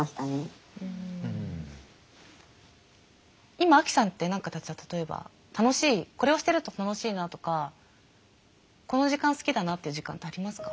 今アキさんって何かじゃあ例えば楽しいこれをしてると楽しいなとかこの時間好きだなっていう時間ってありますか？